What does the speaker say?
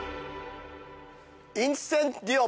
インセンディオ！